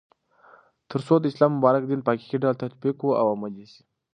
ترڅو د اسلام مبارک دين په حقيقي ډول تطبيق او عملي سي